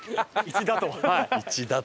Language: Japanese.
「“１”だと」。